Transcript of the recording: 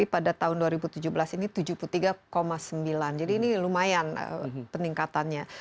jadi ini lumayan peningkatannya